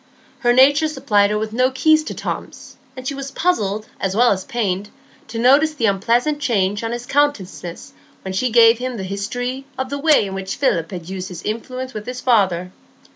Her nature supplied her with no key to Tom's; and she was puzzled as well as pained to notice the unpleasant change on his countenance when she gave him the history of the way in which Philip had used his influence with his father.